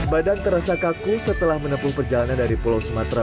badan terasa kaku setelah menempuh perjalanan dari pulau sumatera